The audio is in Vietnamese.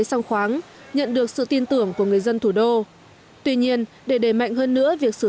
song khoáng nhận được sự tin tưởng của người dân thủ đô tuy nhiên để đẩy mạnh hơn nữa việc sử